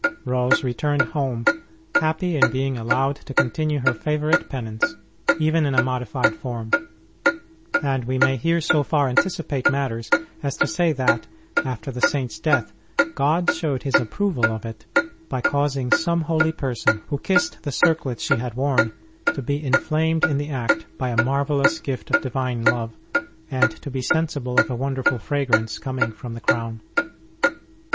Rose returned home, happy in being allowed to continue her favourite penance even in a modified form ; and we may here so far anticipate matters as to say that, after the Saint s death, God showed his approval of it by causing some holy person who kissed the circlet she had worn to be in flamed in the act by a marvellous gift of Divine love, and to be sensible of a wonderful fragrance coming from the crown.